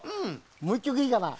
もう１きょくいいかな？